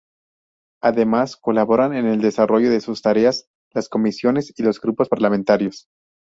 Además, colaboran en el desarrollo de sus tareas, las Comisiones y los Grupos Parlamentarios.